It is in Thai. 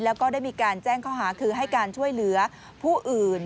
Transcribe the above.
แล้วก็ได้มีการแจ้งข้อหาคือให้การช่วยเหลือผู้อื่น